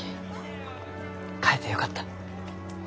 買えてよかった。